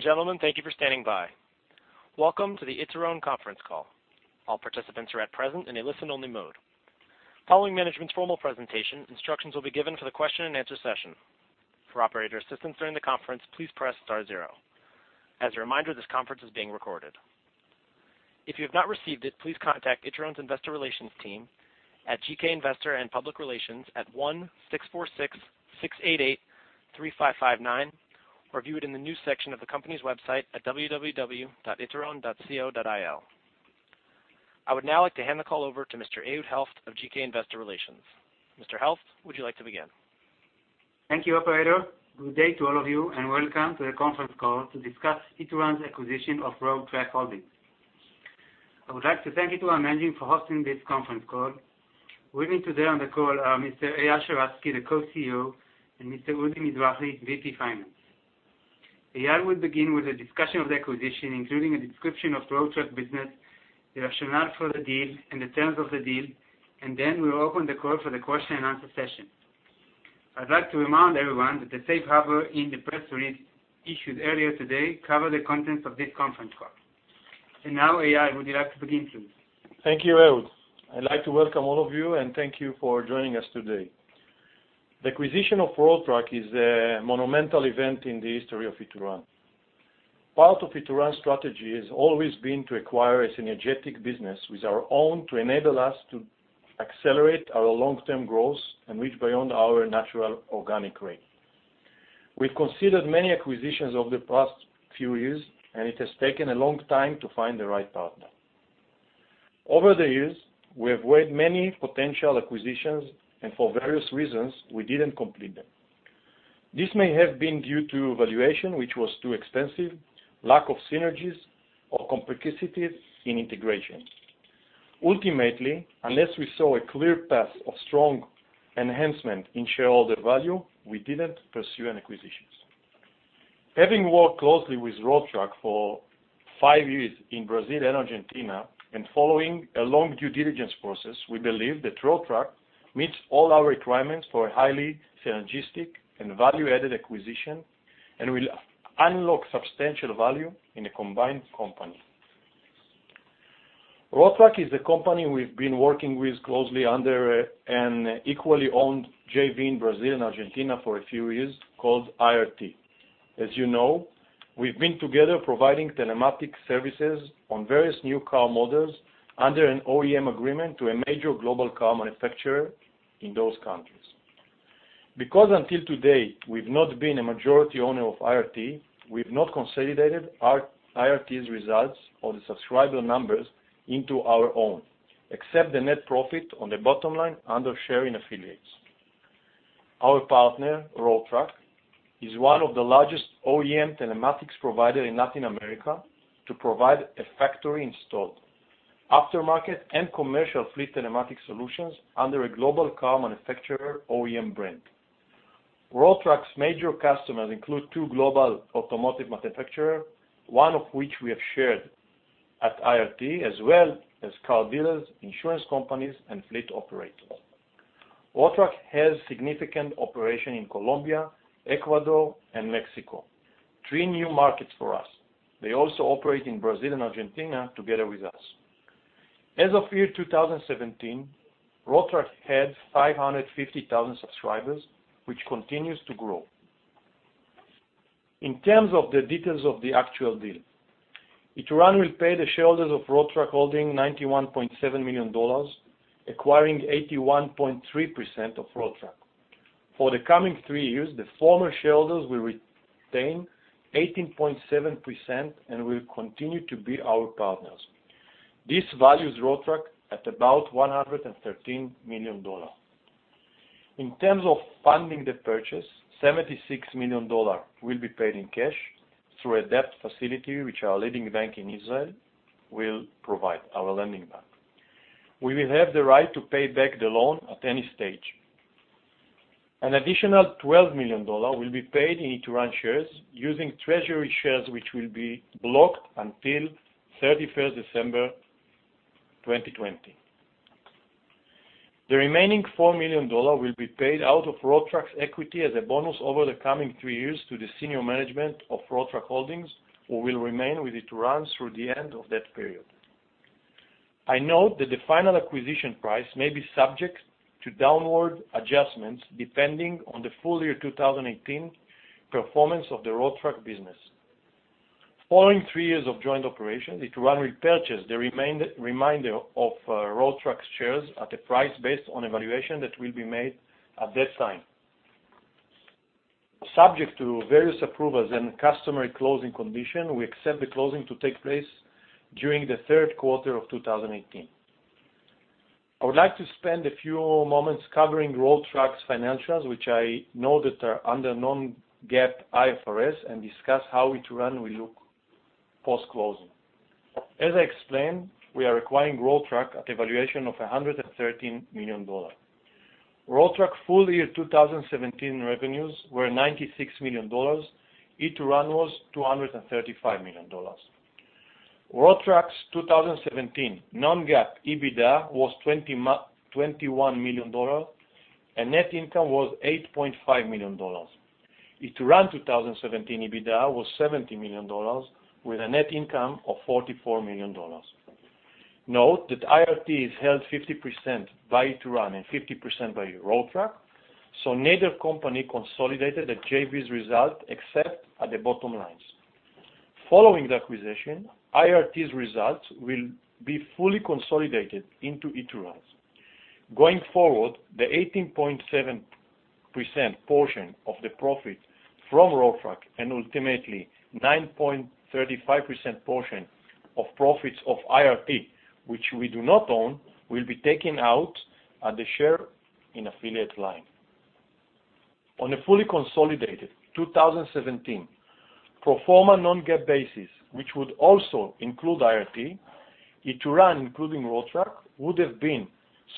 Ladies and gentlemen, thank you for standing by. Welcome to the Ituran conference call. All participants are at present in a listen-only mode. Following management's formal presentation, instructions will be given for the question and answer session. For operator assistance during the conference, please press star zero. As a reminder, this conference is being recorded. If you have not received it, please contact Ituran's investor relations team at GK Investor & Public Relations at 1-646-688-3559, or view it in the news section of the company's website at www.ituran.co.il. I would now like to hand the call over to Mr. Ehud Helft of GK Investor Relations. Mr. Helft, would you like to begin? Thank you, operator. Good day to all of you, and welcome to the conference call to discuss Ituran's acquisition of Road Track Holdings. I would like to thank Ituran management for hosting this conference call. With me today on the call are Mr. Eyal Sheratzky, the Co-CEO, and Mr. Udi Mizrahi, VP Finance. Eyal will begin with a discussion of the acquisition, including a description of Road Track business, the rationale for the deal, and the terms of the deal. We'll open the call for the question and answer session. I'd like to remind everyone that the safe harbor in the press release issued earlier today cover the contents of this conference call. Now, Eyal, would you like to begin, please? Thank you, Ehud. I'd like to welcome all of you and thank you for joining us today. The acquisition of Road Track is a monumental event in the history of Ituran. Part of Ituran's strategy has always been to acquire a synergetic business with our own to enable us to accelerate our long-term growth and reach beyond our natural organic rate. We've considered many acquisitions over the past few years, and it has taken a long time to find the right partner. Over the years, we have weighed many potential acquisitions, and for various reasons, we didn't complete them. This may have been due to valuation, which was too expensive, lack of synergies, or complexities in integration. Ultimately, unless we saw a clear path of strong enhancement in shareholder value, we didn't pursue any acquisitions. Having worked closely with Road Track for five years in Brazil and Argentina and following a long due diligence process, we believe that Road Track meets all our requirements for a highly synergistic and value-added acquisition and will unlock substantial value in a combined company. Road Track is a company we've been working with closely under an equally owned JV in Brazil and Argentina for a few years called IRT. As you know, we've been together providing telematics services on various new car models under an OEM agreement to a major global car manufacturer in those countries. Because until today, we've not been a majority owner of IRT, we've not consolidated IRT's results or the subscriber numbers into our own, except the net profit on the bottom line under share in affiliates. Our partner, Road Track, is one of the largest OEM telematics provider in Latin America to provide a factory-installed aftermarket and commercial fleet telematics solutions under a global car manufacturer OEM brand. Road Track's major customers include two global automotive manufacturer, one of which we have shared at IRT, as well as car dealers, insurance companies, and fleet operators. Road Track has significant operation in Colombia, Ecuador, and Mexico, three new markets for us. They also operate in Brazil and Argentina together with us. As of year 2017, Road Track had 550,000 subscribers, which continues to grow. In terms of the details of the actual deal, Ituran will pay the shareholders of Road Track Holdings $91.7 million, acquiring 81.3% of Road Track. For the coming three years, the former shareholders will retain 18.7%, and will continue to be our partners. This values Road Track at about $113 million. In terms of funding the purchase, $76 million will be paid in cash through a debt facility, which our leading bank in Israel will provide, our lending bank. We will have the right to pay back the loan at any stage. An additional $12 million will be paid in Ituran shares using treasury shares, which will be blocked until 31st December 2020. The remaining $4 million will be paid out of Road Track's equity as a bonus over the coming three years to the senior management of Road Track Holdings who will remain with Ituran through the end of that period. I note that the final acquisition price may be subject to downward adjustments depending on the full-year 2018 performance of the Road Track business. Following three years of joint operations, Ituran will purchase the remainder of Road Track's shares at a price based on evaluation that will be made at that time. Subject to various approvals and customary closing condition, we accept the closing to take place during the third quarter of 2018. I would like to spend a few moments covering Road Track's financials, which I know that are under non-GAAP IFRS, and discuss how Ituran will look post-closing. As I explained, we are acquiring Road Track at a valuation of $113 million. Road Track full-year 2017 revenues were $96 million. Ituran was $235 million. Road Track's 2017 non-GAAP EBITDA was $21 million, and net income was $8.5 million. Ituran 2017 EBITDA was $70 million, with a net income of $44 million. Note that IRT is held 50% by Ituran and 50% by Road Track, so neither company consolidated the JV's result except at the bottom lines. Following the acquisition, IRT's results will be fully consolidated into Ituran's. Going forward, the 18.7% portion of the profit from Road Track, and ultimately 9.35% portion of profits of IRT, which we do not own, will be taken out at the share in affiliate line. On a fully consolidated 2017 pro forma non-GAAP basis, which would also include IRT, Ituran, including Road Track, would've been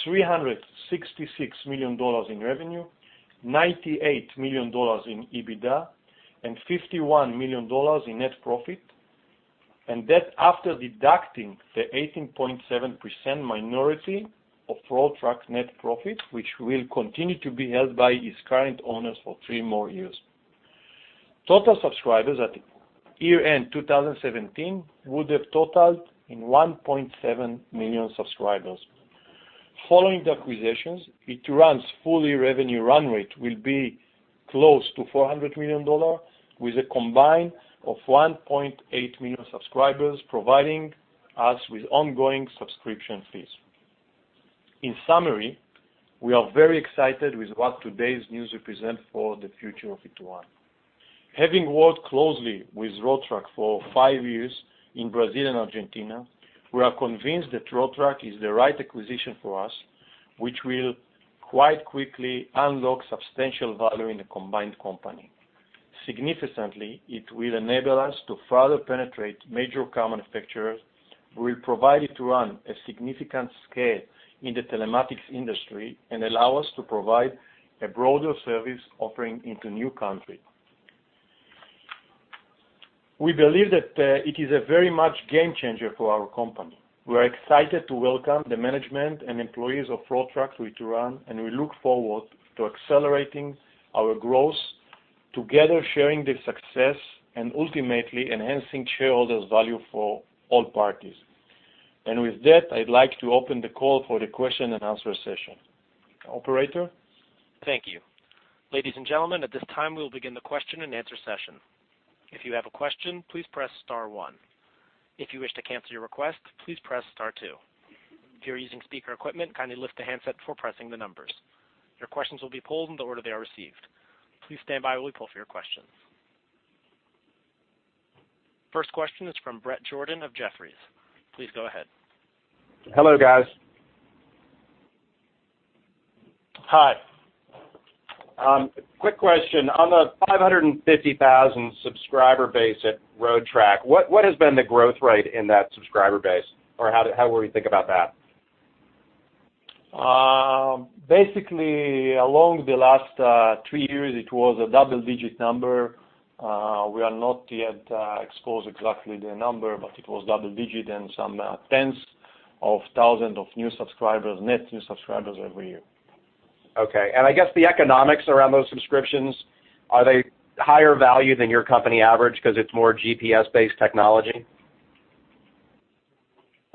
$366 million in revenue, $98 million in EBITDA, and $51 million in net profit, and that's after deducting the 18.7% minority of Road Track's net profit, which will continue to be held by its current owners for three more years. Total subscribers at year-end 2017 would have totaled in 1.7 million subscribers. Following the acquisitions, Ituran's full-year revenue run rate will be close to $400 million, with a combine of 1.8 million subscribers, providing us with ongoing subscription fees. In summary, we are very excited with what today's news represent for the future of Ituran. Having worked closely with Road Track for five years in Brazil and Argentina, we are convinced that Road Track is the right acquisition for us, which will quite quickly unlock substantial value in the combined company. Significantly, it will enable us to further penetrate major car manufacturers, will provide Ituran a significant scale in the telematics industry, and allow us to provide a broader service offering into new country. We believe that it is a very much game changer for our company. We're excited to welcome the management and employees of Road Track to Ituran, and we look forward to accelerating our growth together, sharing the success, and ultimately enhancing shareholders' value for all parties. With that, I'd like to open the call for the question-and-answer session. Operator? Thank you. Ladies and gentlemen, at this time, we'll begin the question-and-answer session. If you have a question, please press star one. If you wish to cancel your request, please press star two. If you're using speaker equipment, kindly lift the handset before pressing the numbers. Your questions will be polled in the order they are received. Please stand by while we poll for your questions. First question is from Bret Jordan of Jefferies. Please go ahead. Hello, guys. Hi. Quick question. On the 550,000 subscriber base at Road Track, what has been the growth rate in that subscriber base, or how were you thinking about that? Basically, along the last three years, it was a double-digit number. We are not yet exposed exactly the number, but it was double-digit and some tens of thousands of new subscribers, net new subscribers every year. Okay. I guess the economics around those subscriptions, are they higher value than your company average because it's more GPS-based technology?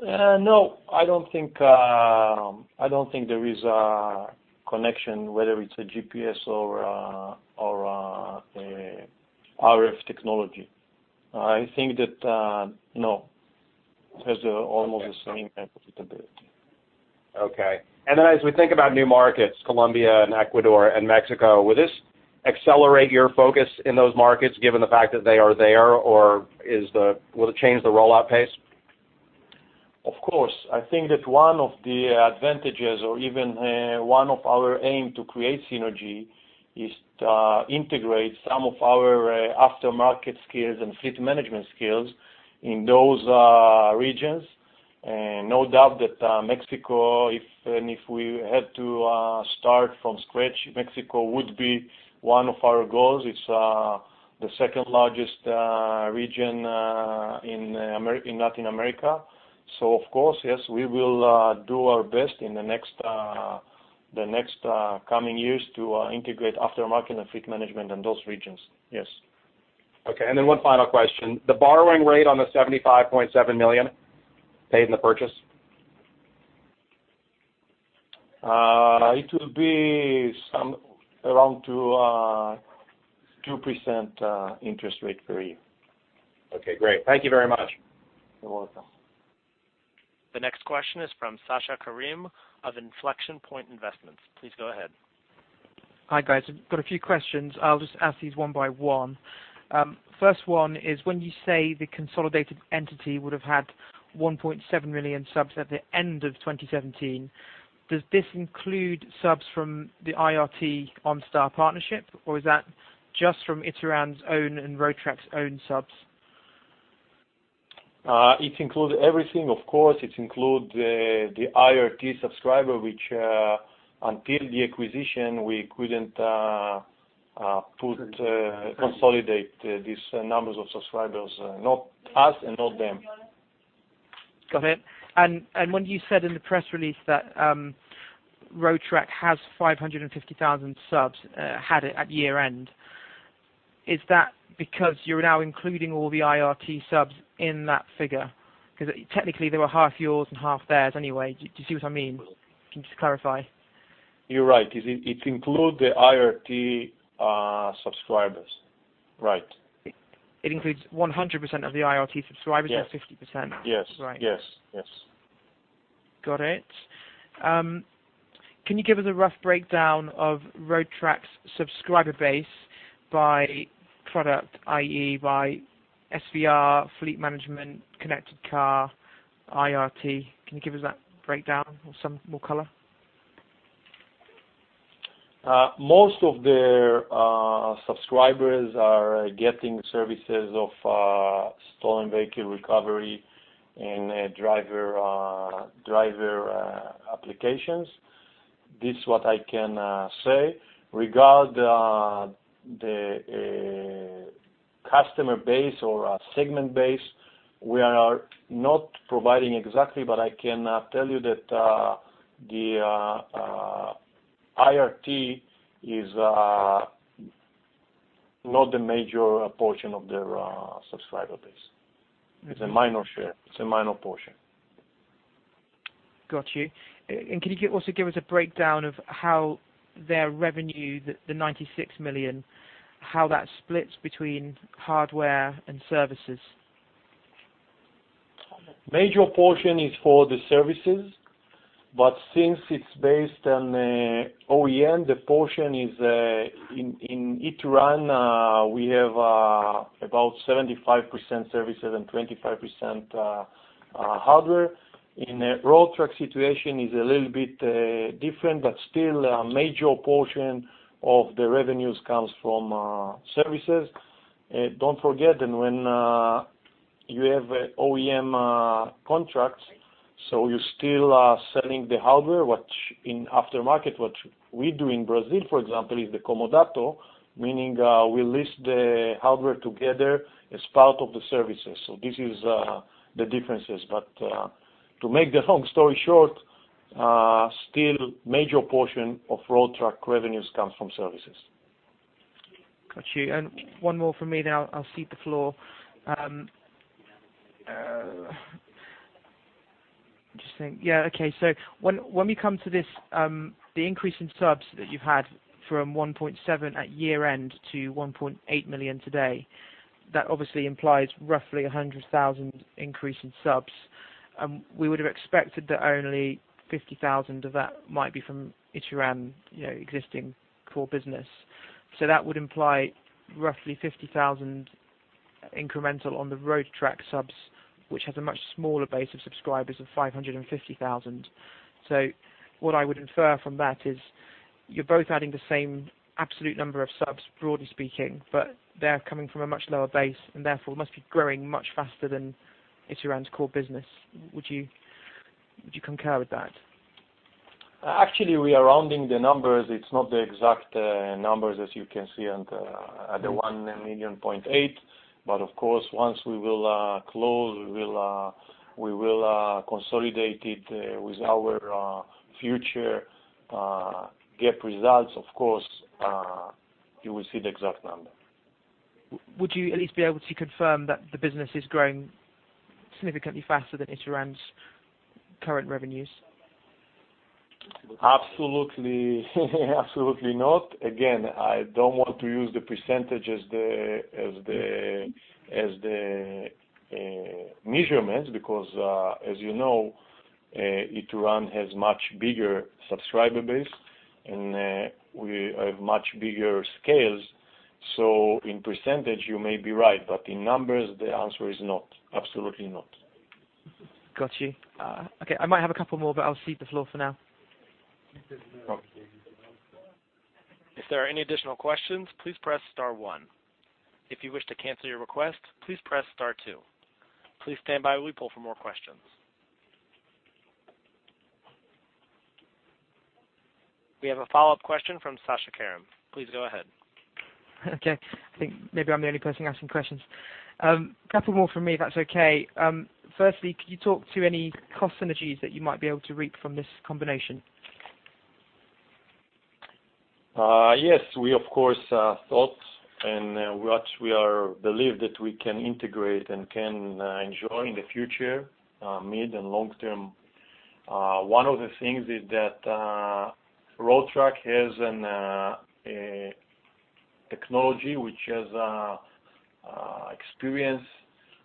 No, I don't think there is a connection whether it's a GPS or a RF technology. I think that, no, it has almost the same profitability. Okay. As we think about new markets, Colombia and Ecuador and Mexico, will this accelerate your focus in those markets given the fact that they are there, or will it change the rollout pace? Of course. I think that one of the advantages, or even one of our aim to create synergy is to integrate some of our aftermarket skills and fleet management skills in those regions. No doubt that Mexico, and if we had to start from scratch, Mexico would be one of our goals. It's the second-largest region in Latin America. Of course, yes, we will do our best in the next coming years to integrate aftermarket and fleet management in those regions, yes. Okay, one final question. The borrowing rate on the $75.7 million paid in the purchase? It will be around 2% interest rate per year. Okay, great. Thank you very much. You're welcome. The next question is from Sasha Karim of Inflection Point Investments. Please go ahead. Hi, guys. I've got a few questions. I'll just ask these one by one. First one is when you say the consolidated entity would have had 1.7 million subs at the end of 2017, does this include subs from the IRT OnStar partnership, or is that just from Ituran's own and Road Track's own subs? It includes everything, of course. It includes the IRT subscriber, which, until the acquisition, we couldn't consolidate these numbers of subscribers, not us and not them. Got it. When you said in the press release that Road Track has 550,000 subs, had it at year-end, is that because you're now including all the IRT subs in that figure? Because technically they were half yours and half theirs anyway. Do you see what I mean? Can you just clarify? You're right. It includes the IRT subscribers. Right. It includes 100% of the IRT subscribers at 50%? Yes. Right. Yes. Got it. Can you give us a rough breakdown of Road Track's subscriber base by product, i.e., by SVR, fleet management, connected car, IRT. Can you give us that breakdown or some more color? Most of their subscribers are getting services of stolen vehicle recovery and driver applications. This is what I can say. Regarding the customer base or segment base, we are not providing exactly, but I can tell you that the IRT is not the major portion of their subscriber base. It's a minor share. It's a minor portion. Got you. Can you also give us a breakdown of how their revenue, the $96 million, how that splits between hardware and services? Major portion is for the services, but since it's based on OEM, the portion is, in Ituran, we have about 75% services and 25% hardware. In Road Track situation is a little bit different, but still a major portion of the revenues comes from services. Don't forget that when you have OEM contracts, you still are selling the hardware, which in aftermarket, what we do in Brazil, for example, is the comodato, meaning, we lease the hardware together as part of the services. This is the differences. To make the long story short, still major portion of Road Track revenues comes from services. Got you. One more from me, then I'll cede the floor. Just thinking. Yeah. Okay. When we come to the increase in subs that you've had from 1.7 million at year-end to 1.8 million today, that obviously implies roughly 100,000 increase in subs. We would have expected that only 50,000 of that might be from Ituran existing core business. That would imply roughly 50,000 incremental on the Road Track subs, which has a much smaller base of subscribers of 550,000. What I would infer from that is you're both adding the same absolute number of subs, broadly speaking, but they're coming from a much lower base and therefore must be growing much faster than Ituran's core business. Would you concur with that? Actually, we are rounding the numbers. It's not the exact numbers as you can see at the 1.8 million. Of course, once we will close, we will consolidate it with our future GAAP results. Of course, you will see the exact number. Would you at least be able to confirm that the business is growing significantly faster than Ituran's current revenues? Absolutely not. Again, I don't want to use the percentage as the measurement because, as you know, Ituran has much bigger subscriber base, and we have much bigger scales. In percentage, you may be right, but in numbers, the answer is not. Absolutely not. Got you. Okay. I might have a couple more, but I'll cede the floor for now. Okay. If there are any additional questions, please press star one. If you wish to cancel your request, please press star two. Please stand by while we poll for more questions. We have a follow-up question from Sasha Karim. Please go ahead. Okay. I think maybe I'm the only person asking questions. A couple more from me, if that's okay. Firstly, can you talk to any cost synergies that you might be able to reap from this combination? Yes, we of course, thought and what we believe that we can integrate and can enjoy in the future, mid and long term. One of the things is that Road Track has a technology which has experience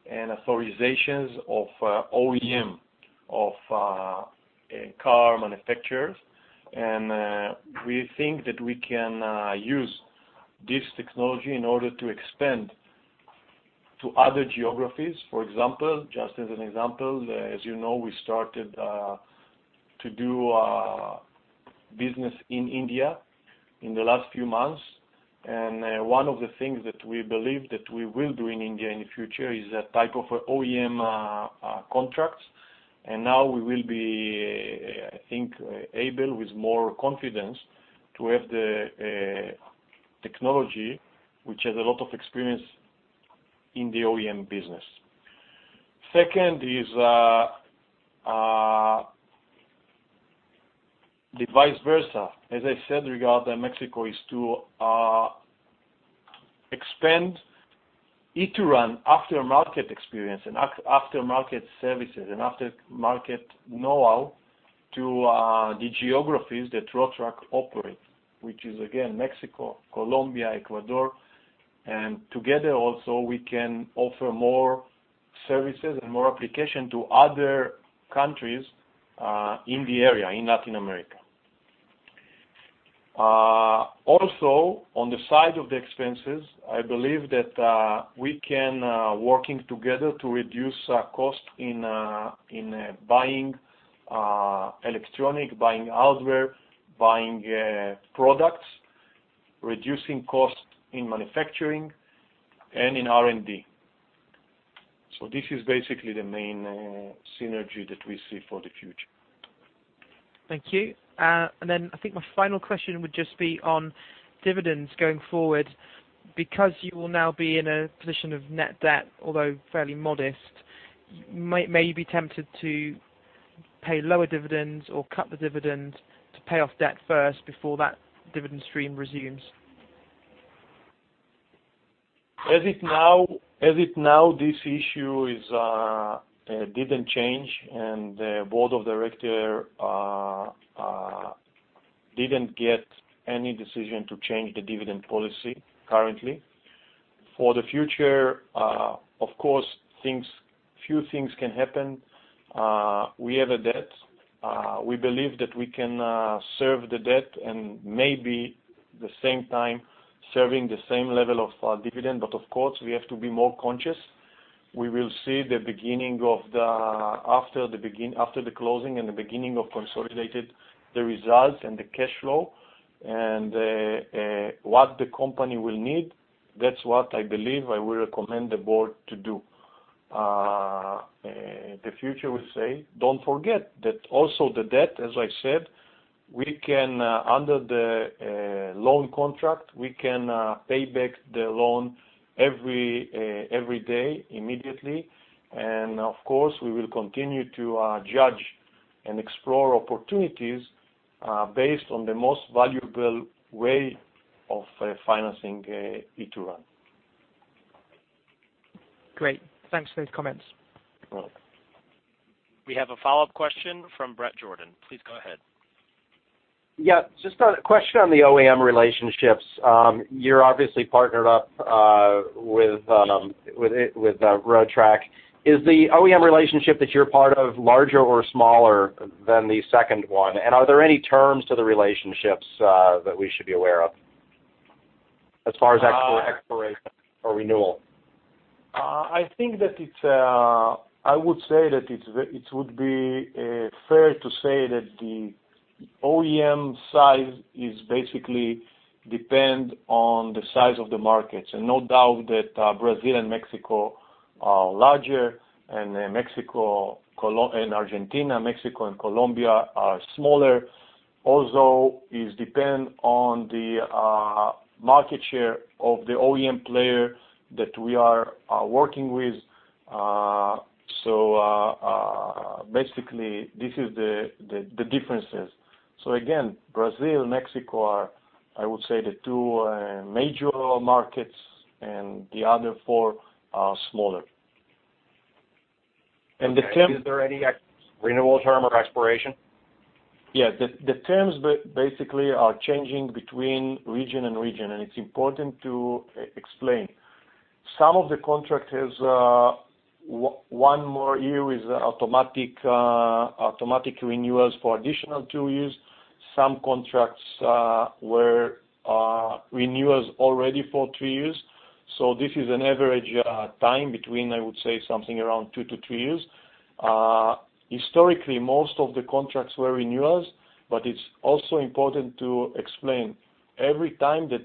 and authorizations of OEM of car manufacturers. We think that we can use this technology in order to expand to other geographies. For example, just as an example, as you know, we started to do business in India in the last few months. One of the things that we believe that we will do in India in the future is a type of OEM contracts. Now we will be, I think, able with more confidence to have the technology, which has a lot of experience in the OEM business. Second is the vice versa. As I said, regarding Mexico, is to expand Ituran aftermarket experience and aftermarket services and aftermarket know-how to the geographies that Road Track operates, which is again Mexico, Colombia, Ecuador. Together also we can offer more services and more application to other countries in the area, in Latin America. Also, on the side of the expenses, I believe that we can working together to reduce cost in buying electronic, buying hardware, buying products, reducing cost in manufacturing and in R&D. This is basically the main synergy that we see for the future. Thank you. I think my final question would just be on dividends going forward. Because you will now be in a position of net debt, although fairly modest, may you be tempted to pay lower dividends or cut the dividend to pay off debt first before that dividend stream resumes? As it now, this issue didn't change, and the board of director didn't get any decision to change the dividend policy currently. For the future, of course, few things can happen. We have a debt. We believe that we can serve the debt and maybe the same time serving the same level of dividend, but of course, we have to be more conscious. We will see after the closing and the beginning of consolidated, the results and the cash flow, and what the company will need. That's what I believe I will recommend the board to do. The future will say. Don't forget that also the debt, as I said, under the loan contract, we can pay back the loan every day immediately. Of course, we will continue to judge and explore opportunities based on the most valuable way of financing Ituran. Great. Thanks for those comments. You're welcome. We have a follow-up question from Bret Jordan. Please go ahead. Yeah. Just a question on the OEM relationships. You're obviously partnered up with Road Track. Is the OEM relationship that you're part of larger or smaller than the second one? Are there any terms to the relationships that we should be aware of, as far as expiration or renewal? I would say that it would be fair to say that the OEM size is basically depend on the size of the markets, and no doubt that Brazil and Mexico are larger, and Argentina, Mexico, and Colombia are smaller. Also, it depend on the market share of the OEM player that we are working with. Basically, this is the differences. Again, Brazil, Mexico are, I would say, the two major markets, and the other four are smaller. Okay. Is there any renewal term or expiration? Yeah. The terms basically are changing between region and region, and it is important to explain. Some of the contract has one more year with automatic renewals for additional two years. Some contracts were renewals already for two years. This is an average time between, I would say, something around two to three years. Historically, most of the contracts were renewals, but it is also important to explain. Every time that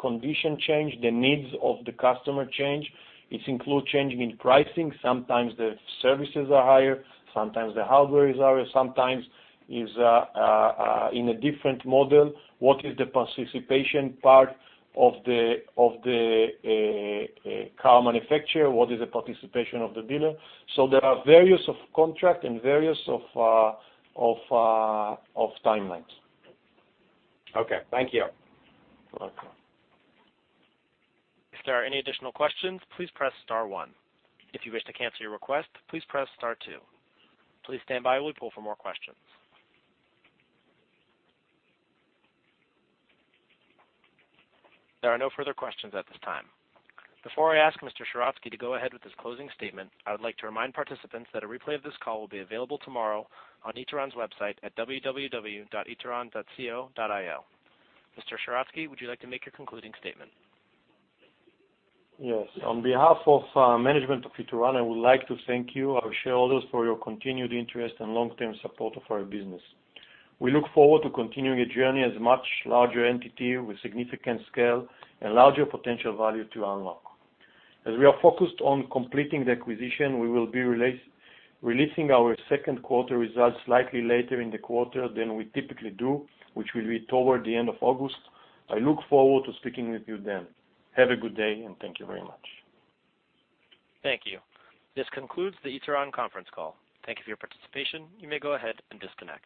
condition change, the needs of the customer change. It includes changing in pricing. Sometimes the services are higher, sometimes the hardware is higher, sometimes is in a different model. What is the participation part of the car manufacturer? What is the participation of the dealer? There are various of contract and various of timelines. Okay. Thank you. You are welcome. If there are any additional questions, please press star one. If you wish to cancel your request, please press star two. Please stand by. We'll pull for more questions. There are no further questions at this time. Before I ask Mr. Sheratzky to go ahead with his closing statement, I would like to remind participants that a replay of this call will be available tomorrow on Ituran's website at www.ituran.co.il. Mr. Sheratzky, would you like to make your concluding statement? Yes. On behalf of management of Ituran, I would like to thank you, our shareholders, for your continued interest and long-term support of our business. We look forward to continuing a journey as a much larger entity with significant scale and larger potential value to unlock. As we are focused on completing the acquisition, we will be releasing our second quarter results slightly later in the quarter than we typically do, which will be toward the end of August. I look forward to speaking with you then. Have a good day, and thank you very much. Thank you. This concludes the Ituran conference call. Thank you for your participation. You may go ahead and disconnect.